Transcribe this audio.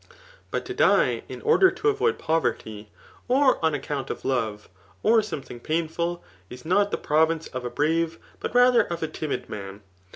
But to die, in order to avoid poverty, or on account of love, or something painful, is not the province of a brave, but rather cX a timid man.